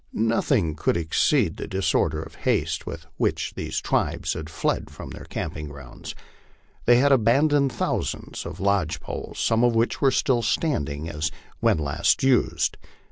Nothing could exceed the disorder and haste with which these tribes had fled from their camping grounds. They had abandoned thousands of lodge poles, some of which were still standing, as when last used.